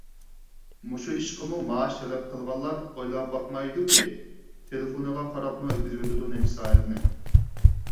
مۇشۇ ئىشقىمۇ مائاش تەلەپ قىلغانلار ئويلاپ باقمايدۇكى، تېلېفونىغا قاراپمۇ ئۆتكۈزۈۋېتىدۇ نەچچە سائەتنى.